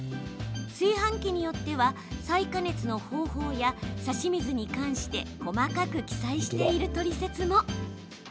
炊飯器によっては再加熱の方法や差し水に関して細かく記載しているトリセツも。